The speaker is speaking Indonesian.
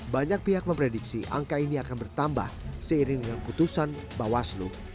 banyak pihak memprediksi angka ini akan bertambah seiring dengan putusan bawaslu